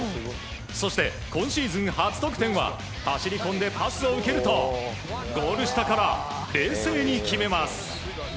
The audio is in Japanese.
そして今シーズン初得点は走り込んでパスを受けるとゴール下から冷静に決めます。